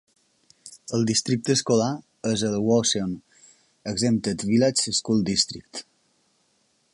El districte escolar és el Wauseon Exempted Village School District.